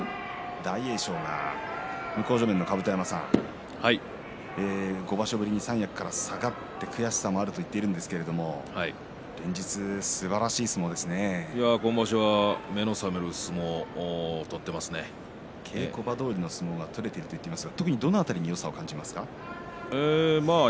大栄翔が５場所ぶりに三役から下がって悔しさもあると言っているんですが今場所は目の覚めるような稽古場どおりの相撲が取れていると言っていますがどの辺りに感じますか？